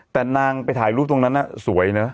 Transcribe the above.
แต่นางไปถ่ายรูปตรงนั้นสวยนะ